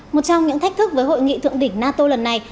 một trong những thách thức với hội nghị thượng đỉnh nato lần này